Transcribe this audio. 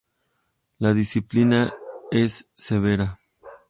La disciplina es severa.